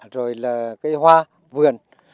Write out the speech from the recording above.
rồi là cây hoa vườn